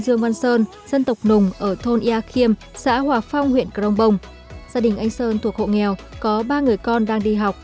thuộc hồ nghèo ở thôn em em gia đình em gạt khó khăn và em có ba đứa con đi theo học